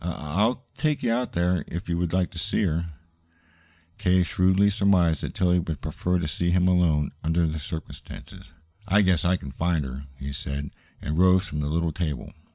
I I'll take you out there, if you would like to see her." K. shrewdly surmised that Tillie would prefer to see him alone, under the circumstances. "I guess I can find her," he said, and rose from the little table.